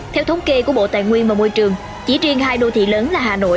theo thống kê của bộ tài nguyên và môi trường chỉ riêng hai đô thị lớn là hà nội